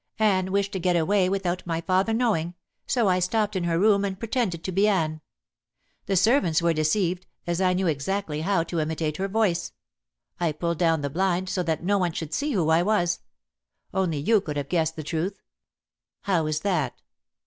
"Anne wished to get away without my father knowing, so I stopped in her room and pretended to be Anne. The servants were deceived, as I knew exactly how to imitate her voice. I pulled down the blind, so that no one should see who I was. Only you could have guessed the truth." "How is that?"